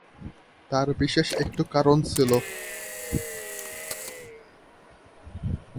তার বিশেষ একটু কারণ ছিল।